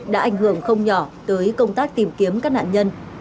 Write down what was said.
đã ảnh hưởng không nhỏ tới công tác tìm kiếm các nạn nhân